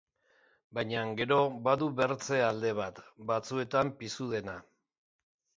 Baina gero, badu bertze alde bat, batzuetan pizu dena.